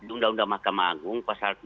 undang undang mahkamah agung pasal tiga